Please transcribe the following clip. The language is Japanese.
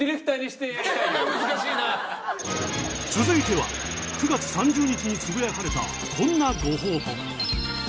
続いては９月３０日につぶやかれたこんなご報告。